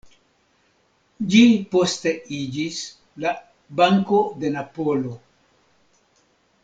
Ĝi poste iĝis la "Banko de Napolo".